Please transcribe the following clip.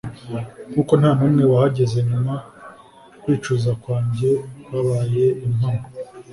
nkuko ntanumwe wahageze nyuma kwicuza kwanjye kwabaye impamo